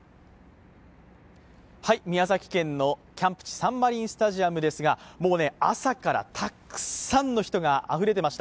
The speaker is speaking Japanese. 宮崎県のキャンプ地、サンマリンスタジアムですが、朝からたくさんの人があふれていました。